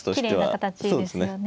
きれいな形ですよね。